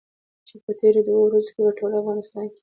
چې په تېرو دوو ورځو کې په ټول افغانستان کې.